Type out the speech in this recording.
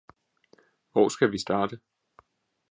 Hvor skal vi starte?